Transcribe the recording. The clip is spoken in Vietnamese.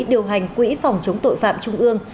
điều hành quỹ phòng chống tội phạm trung ương